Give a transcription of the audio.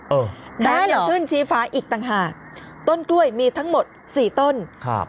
เออนะฮะยังขึ้นชี้ฟ้าอีกต่างหากต้นกล้วยมีทั้งหมดสี่ต้นครับ